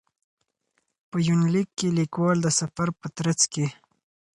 په یونلیک کې لیکوال د سفر په ترڅ کې.